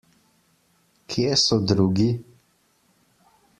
Kje so drugi?